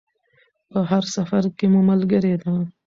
په هر سفر کې مو ملګرې ده.